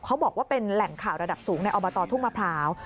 เขาบอกว่าเป็นแหล่งข่าวระดับสูงในอบตทุ่งมะพร้าว